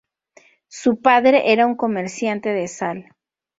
Su padre era un comerciante de sal.